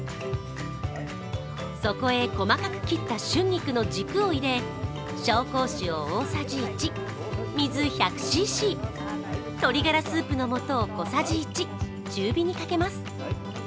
そこへ細かく切った春菊の軸を入れ紹興酒を大さじ１、水１００ｃｃ、鶏がらスープのもとを小さじ１中火にかけます。